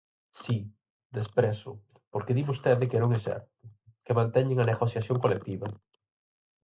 Si, desprezo, porque di vostede que non é certo, que manteñen a negociación colectiva.